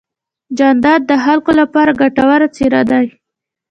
جانداد د خلکو لپاره ګټور څېرہ دی.